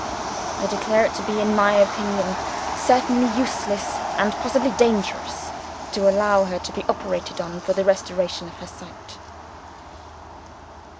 I declare it to be, in my opinion, certainly useless, and possibly dangerous, to allow her to be operated on for the restoration of her sight."